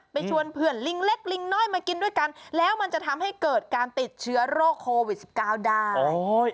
ชวนเพื่อนลิงเล็กลิงน้อยมากินด้วยกันแล้วมันจะทำให้เกิดการติดเชื้อโรคโควิด๑๙ได้